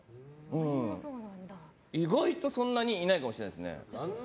意外と、そんなにいないかもしれないですね。